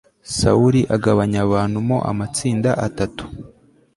sawuli agabanya abantu mo amatsinda atatu